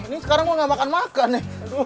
ini sekarang gue gak makan makan ya